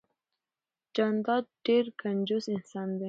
جانداد ډیررر کنجوس انسان ده